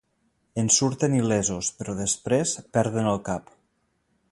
En surten il·lesos, però després perden el cap.